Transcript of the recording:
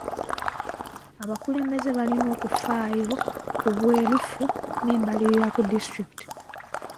Abakulembeze balina okufaayo ku bwerufu n'embalirira ku disitulikiti.